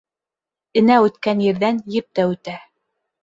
Энә үткән ерҙән еп тә үтә.